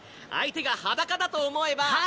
相手が裸だと思えば。